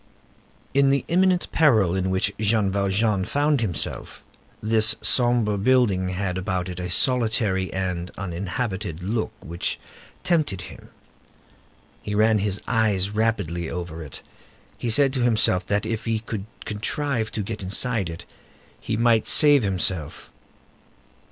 In the imminent peril in which Jean Valjean found himself, this sombre building had about it a solitary and uninhabited look which tempted him. He ran his eyes rapidly over it; he said to himself, that if he could contrive to get inside it, he might save himself.